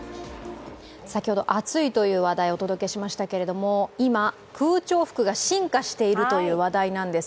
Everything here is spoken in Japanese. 先ほど暑いという話題をお届けしましたけども、今、空調服が進化しているという話題なんです。